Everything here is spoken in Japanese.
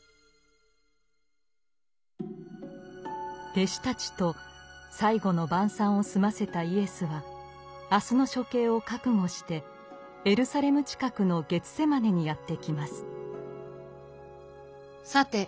弟子たちと「最後の晩餐」を済ませたイエスは明日の処刑を覚悟してエルサレム近くのゲツセマネにやって来ます。